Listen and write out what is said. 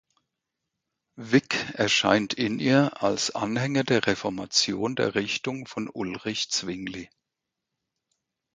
Wick erscheint in ihr als Anhänger der Reformation der Richtung von Ulrich Zwingli.